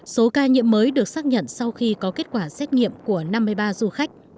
số ca nhiễm mới được xác nhận sau khi có kết quả xét nghiệm của năm mươi ba du khách